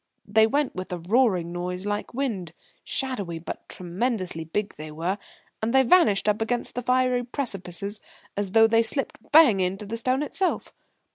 They went with a roaring noise like wind; shadowy but tremendously big, they were, and they vanished up against the fiery precipices as though they slipped bang into the stone itself.